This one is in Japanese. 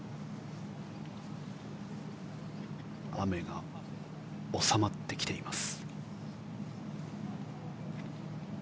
雨が収まってきています。